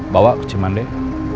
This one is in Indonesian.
bawa ke cimandek